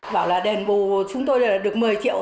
bảo là đền bù chúng tôi được một mươi triệu